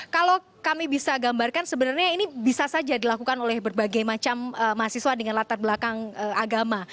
kalau kami bisa gambarkan sebenarnya ini bisa saja dilakukan oleh berbagai macam mahasiswa dengan latar belakang agama